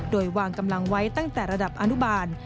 โดยวางกำลังไว้ตั้งแต่ระดับอนุบาล